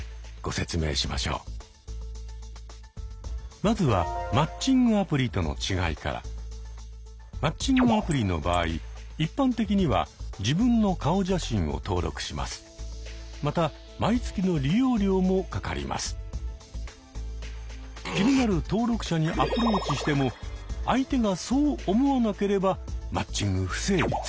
まずはマッチングアプリの場合一般的には気になる登録者にアプローチしても相手がそうは思わなければマッチング不成立。